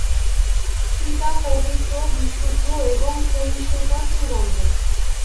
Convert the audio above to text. সীতা পবিত্র, বিশুদ্ধ এবং সহিষ্ণুতার চূড়ান্ত।